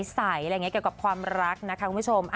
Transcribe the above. ใสอะไรอย่างนี้เกี่ยวกับความรักนะคะคุณผู้ชม